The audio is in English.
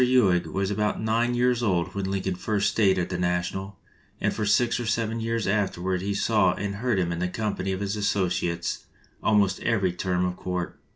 Ewing was about nine years old when Lincoln first stayed at the National, and for six or seven years after ward he saw and heard him in the company of his associates almost every term of court.